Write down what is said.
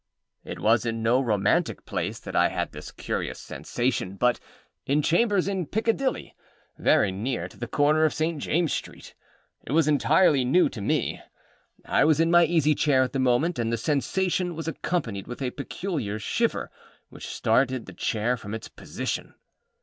It was in no romantic place that I had this curious sensation, but in chambers in Piccadilly, very near to the corner of St. Jamesâs Street. It was entirely new to me. I was in my easy chair at the moment, and the sensation was accompanied with a peculiar shiver which started the chair from its position.